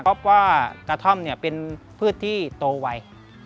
เพราะว่ากระท่อมเนี่ยเป็นพืชที่โตไว